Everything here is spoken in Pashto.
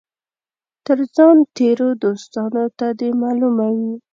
تر ځان تېرو دوستانو ته دي معلومه وي.